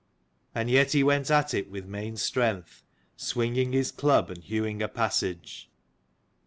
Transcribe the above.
And yet he went at it with main strength, swinging his club and hewing a passage.